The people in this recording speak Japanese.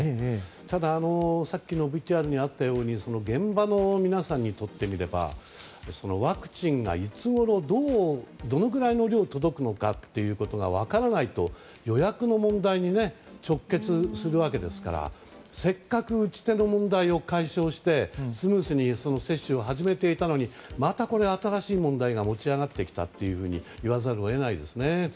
ただしさっきのＶＴＲにあったように現場の皆さんにとってみればそのワクチンがいつごろどのぐらいの量、届くのかが分からないと、予約の問題に直結するわけですからせっかく打ち手の問題を解消してスムーズに接種を始めていたのにまた新しい問題が持ち上がってきたというふうに言わざるを得ないですね。